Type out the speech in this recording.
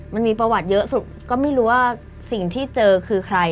มันมีประวัติเยอะสุดก็ไม่รู้ว่าสิ่งที่เจอคือใคร